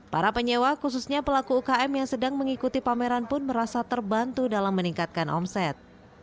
para penyewa khususnya pelaku ukm yang sedang mengikuti pameran pun merasa terbantu dalam meningkatkan omset